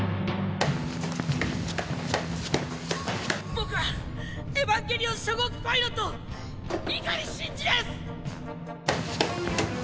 「僕はエヴァンゲリオン初号機パイロット碇シンジです！」。